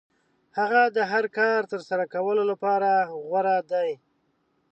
هغه د هر کار ترسره کولو لپاره غوره دی.